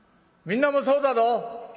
みんなもそうだろ？